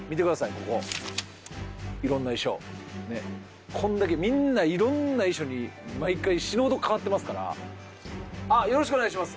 ここ色んな衣装ねっこんだけみんな色んな衣装に毎回死ぬほど変わってますからあっよろしくお願いします